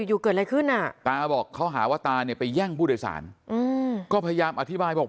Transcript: อยู่เกิดอะไรขึ้นอ่ะตาบอกเขาหาว่าตาเนี่ยไปแย่งผู้โดยสารก็พยายามอธิบายบอก